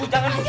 bu jangan bu